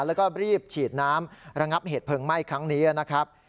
แล้วก็รีบฉีดน้ำระงับเหตุเพลิงไหม้ครั้งนี้นะครับ